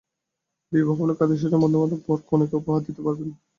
বিবাহ উপলক্ষে আত্মীয়স্বজন ও বন্ধুবান্ধব বর ও কনেকে উপহার দিতে পারেন।